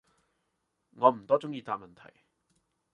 我唔多中意答問題